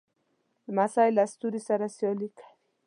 لمسی له ستوري سره سیالي کوي.